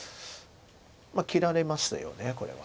切られますよねこれは。